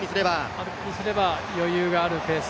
アロップにすれば余裕があるペース。